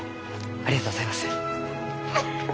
ありがとうございます。